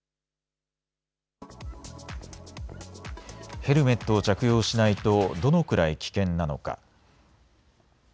ヘルメットを着用しないとどのくらい危険なのか。